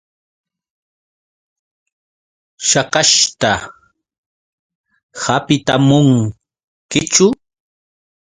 ¿Shakashta hapitamunkichu?